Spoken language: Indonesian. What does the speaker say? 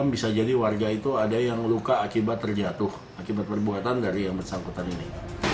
bisa jadi warga itu ada yang luka akibat terjatuh akibat perbuatan dari yang bersangkutan ini